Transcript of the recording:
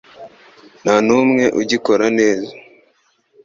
nta n’umwe ugikora neza